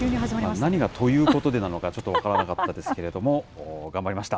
何が、ということでなのか、ちょっと分からなかったですけれども、頑張りました。